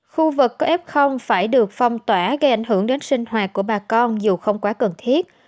khu vực có f phải được phong tỏa gây ảnh hưởng đến sinh hoạt của bà con dù không quá cần thiết